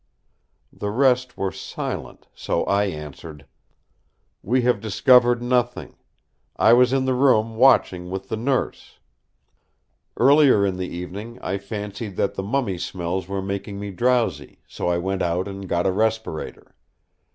The rest were silent, so I answered: "We have discovered nothing. I was in the room watching with the Nurse. Earlier in the evening I fancied that the mummy smells were making me drowsy, so I went out and got a respirator.